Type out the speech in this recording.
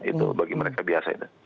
itu bagi mereka biasa